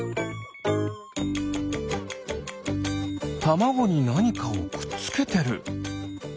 たまごになにかをくっつけてる。